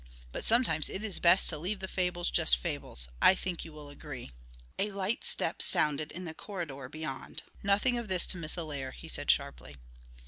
But sometimes it is best to leave the fables just fables. I think you will agree." A light step sounded in the corridor beyond. "Nothing of this to Miss Allaire," he said sharply.